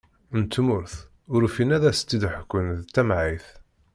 N tmurt, ur ufin ad as-tt-id-ḥkun d tamɛayt.